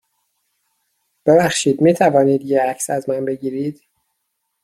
ببخشید، می توانید یه عکس از من بگیرید؟